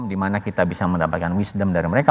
dimana kita bisa mendapatkan wisdom dari mereka